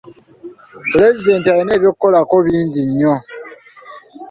Pulezidenti alina eby'akolako bingi nnyo.